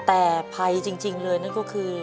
แต่ภัยจริงเลยนั่นก็คือ